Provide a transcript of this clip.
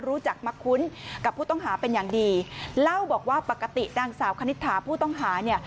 รู้จักมาคุ้นกับผู้ต้องหาเป็นอย่างดีเล่าบอกว่าปกตินางสาวคณิตถาผู้ต้องหาเนี่ย